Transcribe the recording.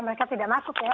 mereka tidak masuk ya